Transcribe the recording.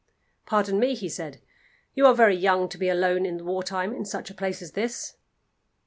"Pardon me," he said, "you are very young to be alone in war time in such a place as this."